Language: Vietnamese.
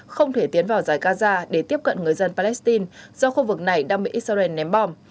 không thể tiến vào giải gaza để tiếp cận người dân palestine do khu vực này đang bị israel ném bom